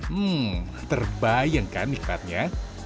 hmm terbayangkan nikmatnya